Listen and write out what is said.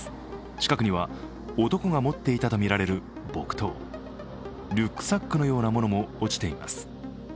近くには男が持っていたとみられる木刀、リュックサックのようなものも落ちています。